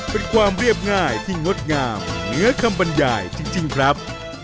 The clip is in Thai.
เป็นความเรียบง่ายที่งดงามเหนือคำบรรยายจริงครับ